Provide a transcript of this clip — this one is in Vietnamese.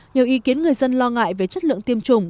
nhiều ý kiến người dân lo ngại về chất lượng tiêm chủng